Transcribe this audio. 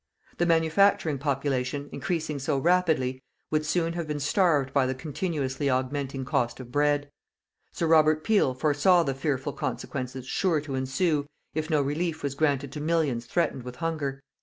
The manufacturing population, increasing so rapidly, would soon have been starved by the continuously augmenting cost of bread. Sir Robert Peel foresaw the fearful consequences sure to ensue, if no relief was granted to millions threatened with hunger.